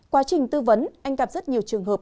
quá trình tư vấn anh gặp rất nhiều trường hợp